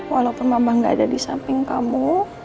walaupun mama gak ada di samping kamu